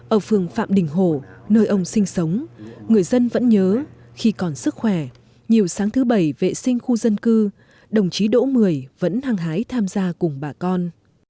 ở phường phạm đình hồ nơi ông sinh sống người dân vẫn nhớ khi còn sức khỏe nhiều sáng thứ bảy vệ sinh khu dân cư đồng chí đỗ mười vẫn hăng hái tham gia cùng bà con